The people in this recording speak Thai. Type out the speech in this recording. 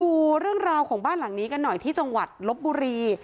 รู้สึกเหนียวเกิดแซมด้วยเรื่องราวของบ้านหลังนี้กันหน่อยที่จังหวัดลบบุรี